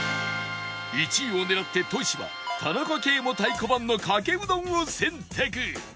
１位を狙ってトシは田中圭も太鼓判のかけうどんを選択